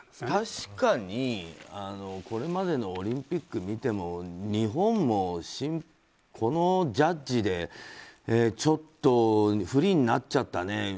確かにこれまでのオリンピック見ても日本もこのジャッジでちょっと不利になっちゃったね。